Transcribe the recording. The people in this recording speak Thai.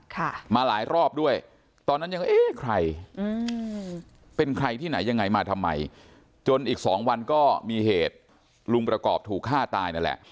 ค่ะมาหลายรอบด้วยตอนนั้นยังเอ๊ะใครอืมเป็นใครที่ไหนยังไงมาทำไมจนอีกสองวันก็มีเหตุลุงประกอบถูกฆ่าตายนั่นแหละ